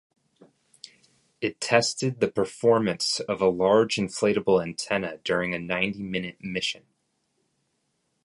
It tested the performance of a large inflatable antenna during a ninety-minute mission.